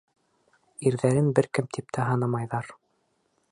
Ирҙәрен бер кем тип һанамайҙар.